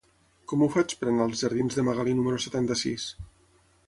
Com ho faig per anar als jardins de Magalí número setanta-sis?